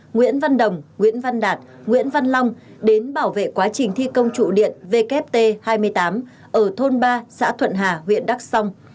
nguyễn văn đồng nguyễn văn đạt nguyễn văn long đến bảo vệ quá trình thi công trụ điện wt hai mươi tám ở thôn ba xã thuận hà huyện đắk song